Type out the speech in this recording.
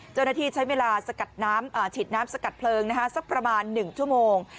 เจ้าหน้าที่ใช้เวลาฉีดน้ำสกัดเพลิงสักประมาณหนึ่งชั่วโมง